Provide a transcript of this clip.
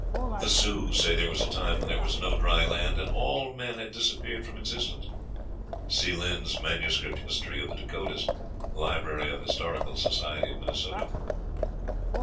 The Sioux say there was a time when there was no dry land, and all men had disappeared from existence." (See Lynd's "MS. History of the Dakotas," Library of Historical Society of Minnesota.)